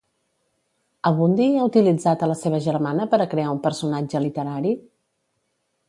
Abundi ha utilitzat a la seva germana per a crear un personatge literari?